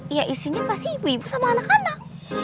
ya isinya pasti ibu ibu sama anak anak